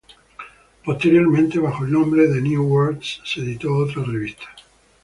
Posteriormente, bajo el nombre "New Worlds" se editó otra revista.